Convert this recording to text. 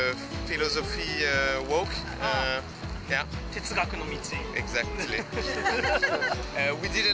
哲学の道？